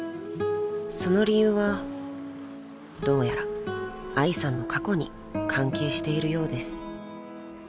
［その理由はどうやら愛さんの過去に関係しているようです］